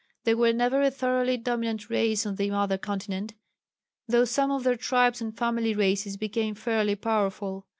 They were never a thoroughly dominant race on the mother continent, though some of their tribes and family races became fairly powerful.